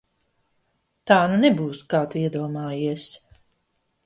Tā nu nebūs, kā Tu iedomājies!